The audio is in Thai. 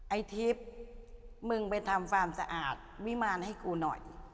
ไอ้ทิพย์มึงไปทำความสะอาดวิมารให้กูหน่อย